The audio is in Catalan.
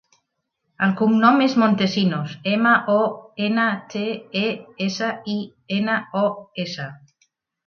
El cognom és Montesinos: ema, o, ena, te, e, essa, i, ena, o, essa.